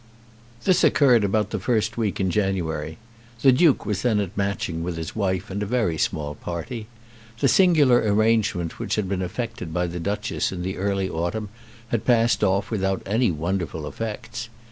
This occurred about the first week in January. The Duke was then at Matching with his wife and a very small party. The singular arrangement which had been effected by the Duchess in the early autumn had passed off without any wonderful effects.